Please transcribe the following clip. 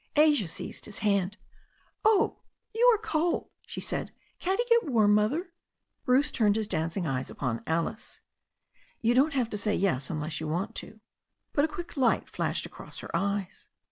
Asia seized his hand. "Oh, you are cold," she said. "Can't he get warm, M^other?" Bruce turned his dancing eyes upon Alice. "You don't have to say 'y^s' unless you want to." But a quick light flashed across her eyes.